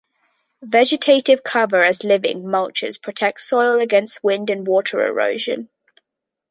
Vegetative cover as living mulches protect soil against wind and water erosion.